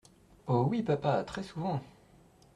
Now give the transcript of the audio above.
Oh ! oui, papa… très souvent.